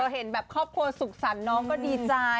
เห็นแบบครอบครัวสุขสรรค์น้องก็ดีใจ